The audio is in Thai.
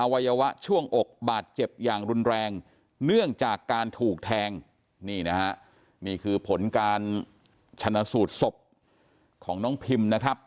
วัยวะช่วงอกบาดเจ็บอย่างรุนแรงเนื่องจากการถูกแทงนี่นะฮะนี่คือผลการชนะสูตรศพของน้องพิมนะครับ